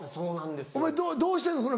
お前どうしてるの？